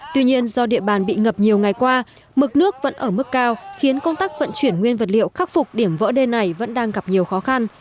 tuy nhiên do địa bàn bị ngập nhiều ngày qua mực nước vẫn ở mức cao khiến công tác vận chuyển nguyên vật liệu khắc phục điểm vỡ đê này vẫn đang gặp nhiều khó khăn